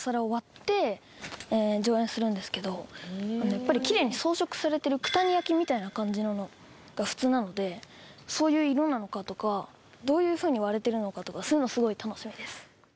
やっぱりキレイに装飾されてる九谷焼みたいな感じなのが普通なのでそういう色なのかとかどういう風に割れてるのかとかそういうのすごい楽しみです。